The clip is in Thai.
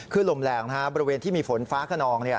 คือลมแรงบริเวณที่มีฝนฟ้าขนอง